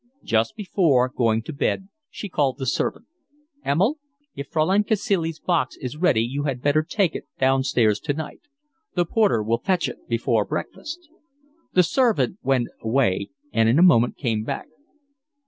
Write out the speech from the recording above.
Just before going to bed she called the servant. "Emil, if Fraulein Cacilie's box is ready you had better take it downstairs tonight. The porter will fetch it before breakfast." The servant went away and in a moment came back.